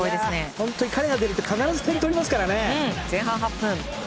本当に彼が出てくると必ず点を取りますからね。